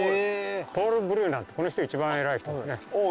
ポール・ブリュナってこの人一番偉い人ですね。